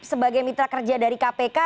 sebagai mitra kerja dari kpk